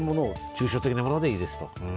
抽象的なものでいいですと。